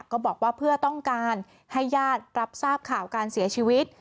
ก็บอกว่าเพื่อต้องการให้ญาติรับทราบข่าวการเสียชีวิต